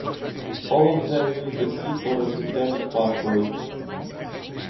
All of them use the C photosynthetic pathway.